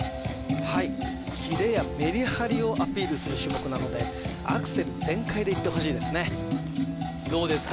はいキレやメリハリをアピールする種目なのでアクセル全開でいってほしいですねどうですか？